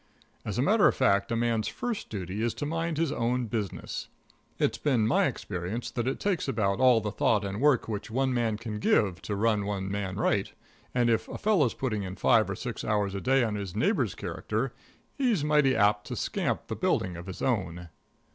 As a matter of fact, a man's first duty is to mind his own business. It's been my experience that it takes about all the thought and work which one man can give to run one man right, and if a fellow's putting in five or six hours a day on his neighbor's character, he's mighty apt to scamp the building of his own.